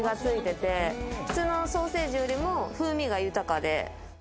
普通のソーセージよりも風味が豊か。